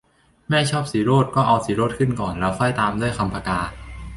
แม่ชอบศิโรตม์ก็เอาศิโรตม์ขึ้นก่อน แล้วค่อยตามด้วยคำผกา